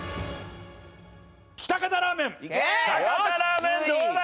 喜多方ラーメンどうだ？